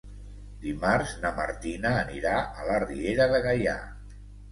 Dimarts na Martina anirà a la Riera de Gaià.